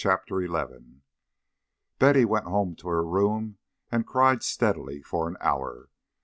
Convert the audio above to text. Good bye." XI Betty went home to her room and cried steadily for an hour.